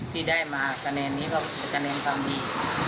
ที่ได้มาคะแนนนี้ก็เป็นคะแนนความดี